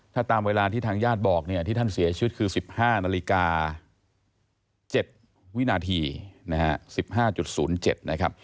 ถ้าตามเวลาที่ทางญาติบอกเนี่ยที่ท่านเสียชีวิตคือ๑๕นาฬิกา๗วินาทีนะฮะ๑๕๐๗นะครับ